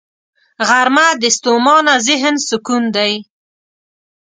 غرمه د ستومانه ذهن سکون دی